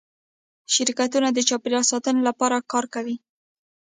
شرکتونه د چاپیریال ساتنې لپاره کار کوي؟